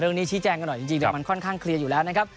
ชี้แจงกันหน่อยจริงแต่มันค่อนข้างเคลียร์อยู่แล้วนะครับ